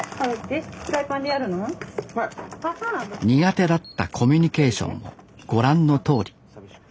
苦手だったコミュニケーションもご覧のとおり。